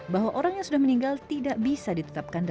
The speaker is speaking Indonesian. bahwa orang yang sudah meninggal tidak bisa ditetapkan